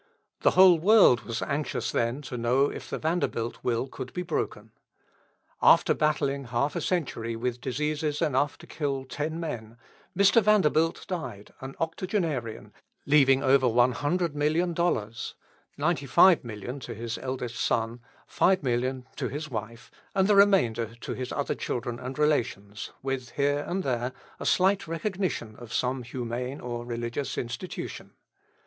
The whole world was anxious then to know if the Vanderbilt will could be broken. After battling half a century with diseases enough to kill ten men, Mr. Vanderbilt died, an octogenarian, leaving over $100,000,000 $95,000,000 to his eldest son $5,000,000 to his wife, and the remainder to his other children and relations, with here and there a slight recognition of some humane or religious institution.